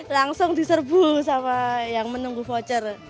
langsung diserbu sama yang menunggu voucher